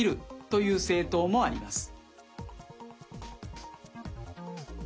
という政党もあります。